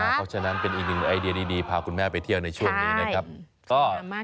เพราะฉะนั้นเป็นอีกหนึ่งไอเดียดีพาคุณแม่ไปเที่ยวในช่วงนี้นะครับ